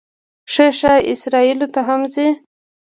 ښه ښه، اسرائیلو ته هم ځې.